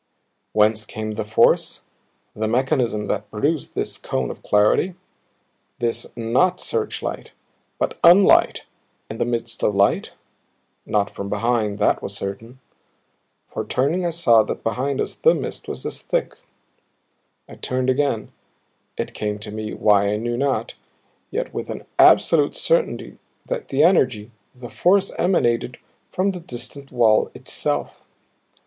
Whence came the force, the mechanism that produced this cone of clarity, this NOT searchlight, but unlight in the midst of light? Not from behind, that was certain for turning I saw that behind us the mist was as thick. I turned again it came to me, why I knew not, yet with an absolute certainty, that the energy, the force emanated from the distant wall itself.